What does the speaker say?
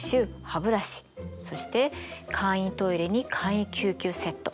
そして簡易トイレに簡易救急セット。